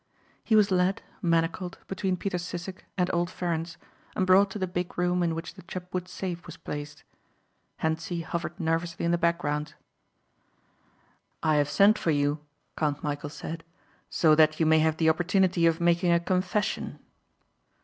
He was led, manacled, between Peter Sissek and old Ferencz and brought to the big room in which the Chubbwood safe was placed. Hentzi hovered nervously in the background. "I have sent for you," Count Michæl said, "so that you may have the opportunity of making a confession."